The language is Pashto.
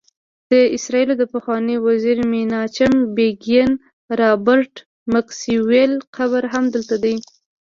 د اسرائیلو د پخواني وزیر میناچم بیګین، رابرټ میکسویل قبر هم دلته دی.